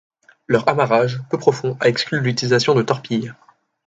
Leur amarrage peu profond a exclu l'utilisation de torpilles.